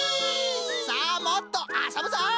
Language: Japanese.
さあもっとあそぶぞい！